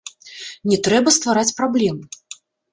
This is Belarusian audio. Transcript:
Не трэба ствараць праблем!